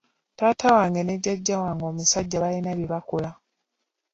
Taata wange ne jjajja wange omusajja balina bye bakola.